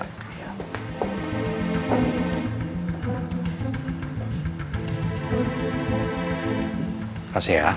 terima kasih ya